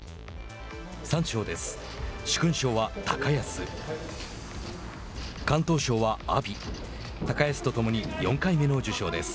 三賞です。